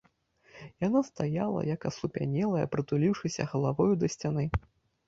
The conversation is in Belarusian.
Яна стаяла, як аслупянелая, прытуліўшыся галавою да сцяны.